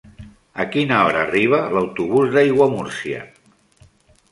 A quina hora arriba l'autobús d'Aiguamúrcia?